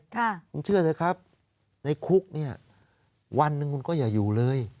คุณเชื่อเถอะครับในคุกเนี่ยวันหนึ่งคุณก็อย่าอยู่เลย